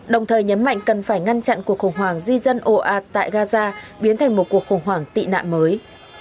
đồng thời nhấn mạnh cần phải ngăn chặn cuộc khủng hoảng di dân ồ ạt tại gaza biến thành một cuộc khủng hoảng tị nạn mới